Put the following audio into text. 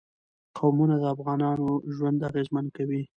قومونه د افغانانو ژوند اغېزمن کوي.